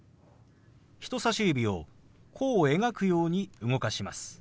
人さし指を弧を描くように動かします。